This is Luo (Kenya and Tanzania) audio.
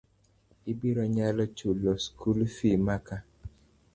Ibiro nyalo chulo skul fii maka?